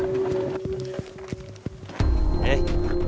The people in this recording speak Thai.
เฮ้ย